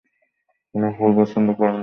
উনি ফুল পছন্দ করেন না?